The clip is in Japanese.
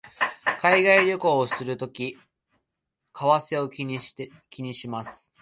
海外旅行をするとき為替を気にします